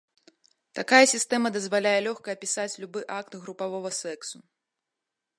Такая сістэма дазваляе лёгка апісаць любы акт групавога сексу.